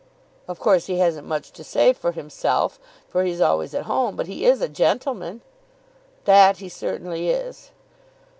"Of course he hasn't much to say for himself, for he's always at home. But he is a gentleman." "That he certainly is."